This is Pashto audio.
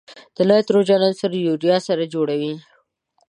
د نایتروجن عنصر یوریا سره جوړوي.